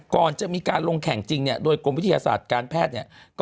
ก่อนจะมีการลงแข่งจริงโดยกรมวิทยาศาสตร์การแพทย์